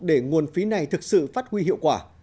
để nguồn phí này thực sự phát huy hiệu quả